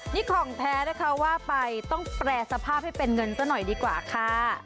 นี่ของแท้นะคะว่าไปต้องแปรสภาพให้เป็นเงินซะหน่อยดีกว่าค่ะ